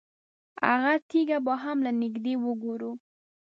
هغه تیږه به هم له نږدې وګورو.